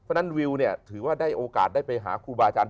เพราะฉะนั้นวิวเนี่ยถือว่าได้โอกาสได้ไปหาครูบาอาจารย์